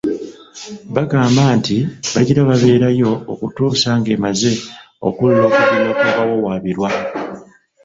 Bagamba nti bagira babeerayo okutuusa ng'emaze okuwulira okujulira kw'abawawaabirwa.